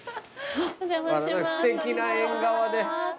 すてきな縁側で。